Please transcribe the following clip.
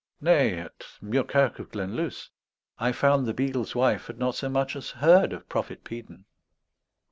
Nay, at Muirkirk of Glenluce, I found the beadle's wife had not so much as heard of Prophet Peden.